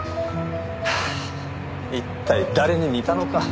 一体誰に似たのか。